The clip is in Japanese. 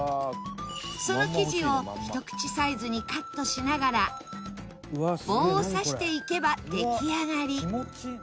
その生地を一口サイズにカットしながら棒を刺していけば出来上がり。